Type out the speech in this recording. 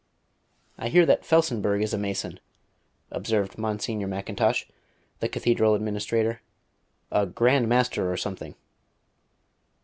"I hear that Felsenburgh is a Mason," observed Monsignor Macintosh, the Cathedral Administrator. "A Grand Master or something."